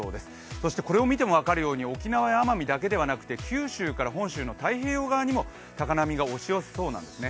そしてこれを見ても分かるように沖縄・奄美だけではなくて九州から本州の太平洋側にも高波が押し寄せそうなんですね。